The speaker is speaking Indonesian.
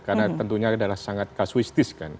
karena tentunya adalah sangat kasuistis kan